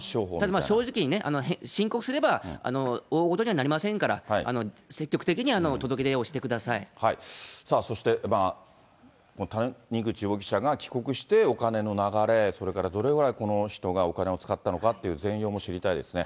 正直に申告すれば大事にはなりませんから、積極的に届け出をしてそして谷口容疑者が帰国してお金の流れ、それからどれぐらい、この人がお金を使ったのかっていう全容も知りたいですね。